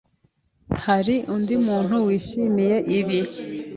Hari undi muntu wishimiye ibi?